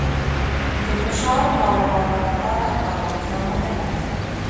د فشار ناروغانو لپاره آرامتیا مهمه ده.